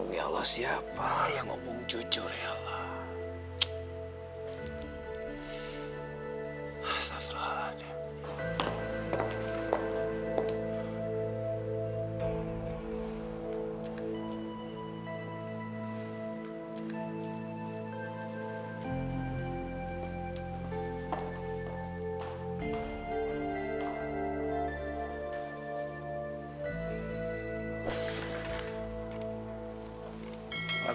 masalah kerjaan ya